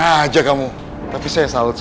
apaan ada pak